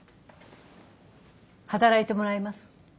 働いてもらいます。